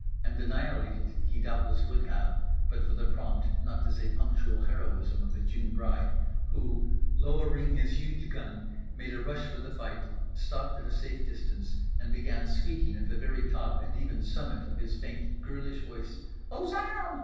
And annihilate it he doubtless would have, but for the prompt (not to say punctual) heroism of The June Bride—who, lowering his huge gun, made a rush for the fight; stopped at a safe distance; and began squeaking at the very top and even summit of his faint girlish voice: "_Aux armes!